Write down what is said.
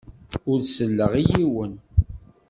Ur selleɣ i yiwen.